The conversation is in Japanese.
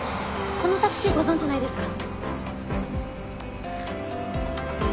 このタクシーご存じないですか？